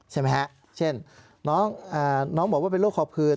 ใช่ไหมฮะเช่นน้องบอกว่าเป็นรถคอผืด